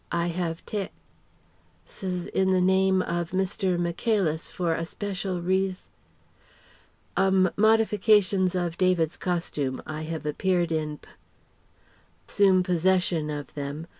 I have tak ces in the name of Mr. Michaelis for a special reas ome modifications of David's costume I have appeared in p ssume possession of them.